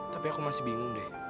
tapi aku masih bingung deh